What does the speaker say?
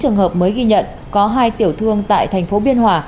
trong số chín trường hợp mới ghi nhận có hai tiểu thương tại thành phố biên hòa